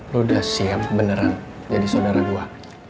lo udah siap beneran jadi saudara gue